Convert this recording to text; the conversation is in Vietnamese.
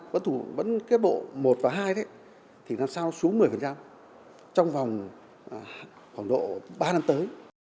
vẫn kết bộ một và hai thì làm sao xuống một mươi trong vòng khoảng độ ba năm tới